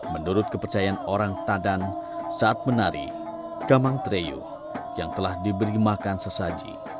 menurut kepercayaan orang tadan saat menari gamang treyuh yang telah diberi makan sesaji